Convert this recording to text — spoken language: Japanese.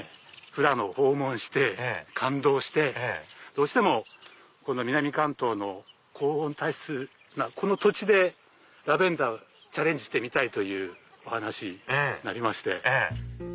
富良野を訪問して感動してどうしてもこの南関東の高温多湿なこの土地でラベンダーをチャレンジしたいというお話になりまして。